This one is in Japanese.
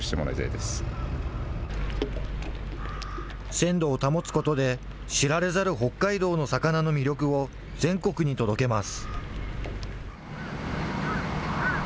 鮮度を保つことで、知られざる北海道の魚の魅力を全国に届けます。